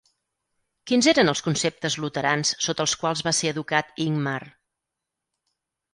Quins eren els conceptes luterans sota els quals va ser educat Ingmar?